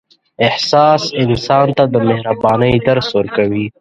احساس انسان ته د مهربانۍ درس ورکوي.